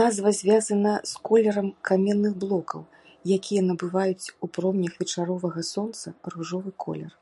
Назва звязана з колерам каменных блокаў, якія набываюць ў промнях вечаровага сонца ружовы колер.